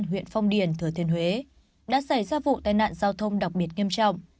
huyện phong điền thừa thiên huế đã xảy ra vụ tai nạn giao thông đặc biệt nghiêm trọng